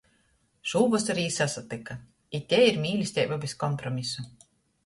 Šūvosor jī sasatyka, i tei ir mīlesteiba bez kompromisu.